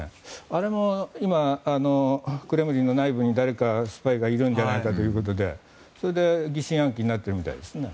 あれも今、クレムリンの内部に誰かスパイがいるんじゃないかということでそれで疑心暗鬼になっているみたいですね。